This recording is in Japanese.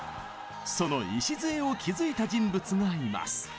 その礎を築いた人物がいます。